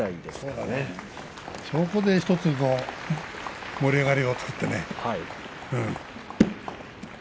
そこで１つ盛り上がりを作ってね。